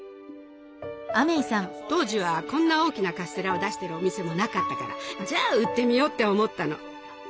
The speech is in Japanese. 当時はこんな大きなカステラを出してるお店もなかったからじゃあ売ってみようって思ったの。